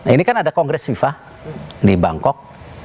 ini kan ada kongres fifa di bangkok